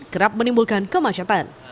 kerap menimbulkan kemasyapan